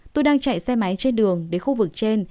tôi đang chạy xe máy trên đường đến khu vực trên